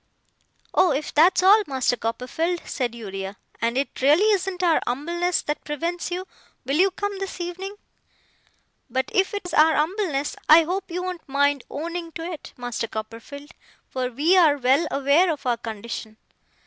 'Oh, if that's all, Master Copperfield,' said Uriah, 'and it really isn't our umbleness that prevents you, will you come this evening? But if it is our umbleness, I hope you won't mind owning to it, Master Copperfield; for we are well aware of our condition.